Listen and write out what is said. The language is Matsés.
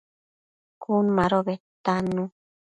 Cun mado bedtannu